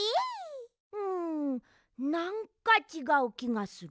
んなんかちがうきがする。